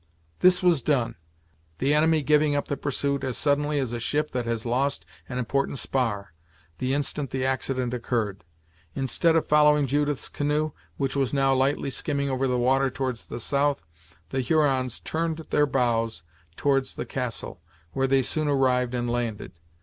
This was done; the enemy giving up the pursuit, as suddenly as a ship that has lost an important spar, the instant the accident occurred. Instead of following Judith's canoe, which was now lightly skimming over the water towards the south, the Hurons turned their bows towards the castle, where they soon arrived and landed.